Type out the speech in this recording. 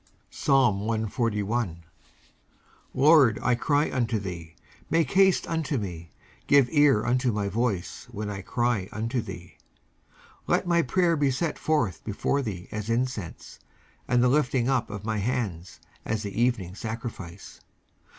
19:141:001 Lord, I cry unto thee: make haste unto me; give ear unto my voice, when I cry unto thee. 19:141:002 Let my prayer be set forth before thee as incense; and the lifting up of my hands as the evening sacrifice.